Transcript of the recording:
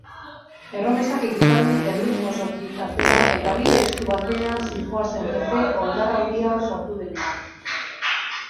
Erromesak ekitaldi erlijiosotik atera eta bide estu batean zihoazen jende oldarraldia sortu denean.